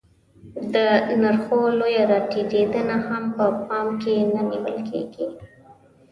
د نرخو لویه راټیټېدنه هم په پام کې نه نیول کېږي